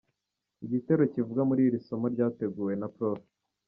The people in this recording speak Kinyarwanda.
Igitero kivugwa muri iri somo ryateguwe na Prof.